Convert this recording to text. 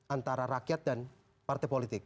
antara rakyat dan partai politik